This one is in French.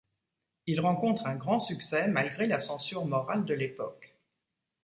Il rencontre un grand succès malgré la censure morale de l'époque.